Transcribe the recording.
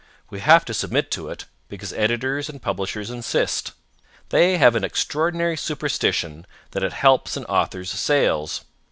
We have to submit to it, because editors and publishers insist. They have an extraordinary superstition that it helps an author's sales.